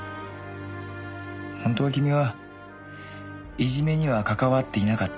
本当は君はいじめには関わっていなかった。